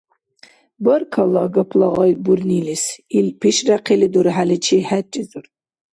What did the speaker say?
— Баркалла, гапла гъай бурнилис, — ил, пишряхъили, дурхӀяличи хӀерризур.